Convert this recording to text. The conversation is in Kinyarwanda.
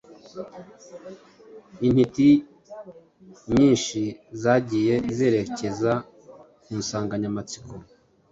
Intiti nyinshi zagiye zerekeza ku nsanganyamatsiko